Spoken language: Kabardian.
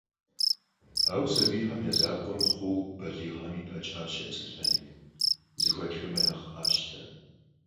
Ауэ сабийхэм я закъуэ мыхъуу, балигъхэми пачащ я псэлъэным, зэхуэтхэмэ нэхъ къащтэ.